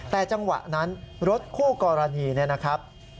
แต่จังหวะนั้นรถคู่กรณีเนี่ยนะครับ